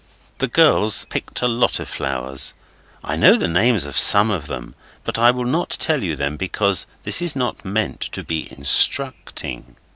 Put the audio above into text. The girls picked a lot of flowers. I know the names of some of them, but I will not tell you them because this is not meant to be instructing.